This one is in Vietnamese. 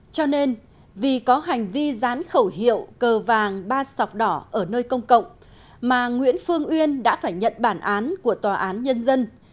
cho nên vì có hành vi dán khẩu hiệu cờ vàng ba sọc đỏ ở nơi công cộng mà nguyễn phương uyên đã phải nhận bản án của tòa án nhân dân